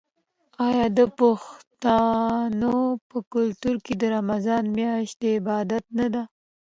آیا د پښتنو په کلتور کې د رمضان میاشت د عبادت نه ده؟